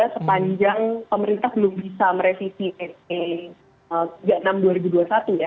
sepanjang pemerintah belum bisa merevisi pce enam dua ribu dua puluh satu